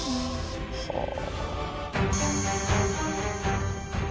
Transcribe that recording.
はあ。